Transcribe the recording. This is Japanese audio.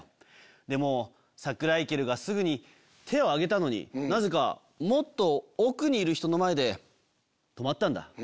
でもサクライケルがすぐに手を上げたのになぜかもっと奥にいる人の前で止まったんだ。